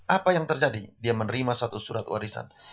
apa yang terjadi dia menerima satu surat warisan